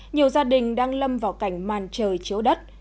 nhiều gia đình đang lâm vào cảnh màn trời chiếu đất